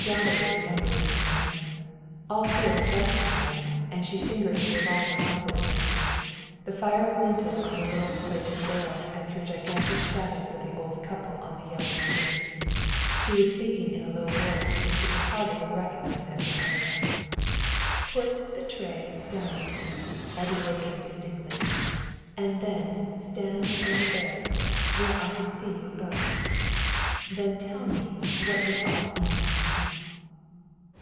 Galva gazed wonderingly at them. All fear had left her now, and she fingered her revolver confidently. The firelight glinted on the little plated barrel and threw gigantic shadows of the old couple on the yellow ceiling. She was speaking in a low voice which she would hardly have recognized as her own. "Put the tray down," every word came distinctly, "and then stand over there where I can see you both. Then tell me what this all means."